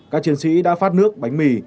các chiến sĩ đã phát nước bánh mì